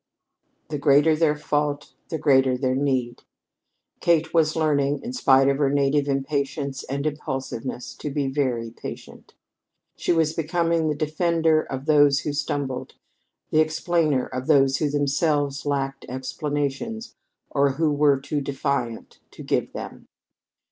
The greater their fault the greater their need. Kate was learning, in spite of her native impatience and impulsiveness, to be very patient. She was becoming the defender of those who stumbled, the explainer of those who themselves lacked explanations or who were too defiant to give them.